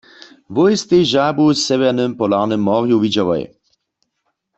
Wój stej žabu w Sewjernym polarnym morju widźałoj.